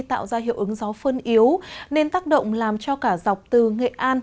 tạo ra hiệu ứng gió phơn yếu nên tác động làm cho cả dọc từ nghệ an